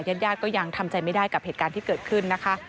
ญาติญาติก็ยังทำใจไม่ได้กับเหตุการณ์ที่เกิดขึ้นนะคะ